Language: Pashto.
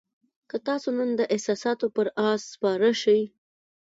که تاسو نن د احساساتو پر آس سپاره شئ.